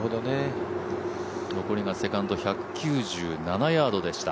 残りがセカンド１９７ヤードでした。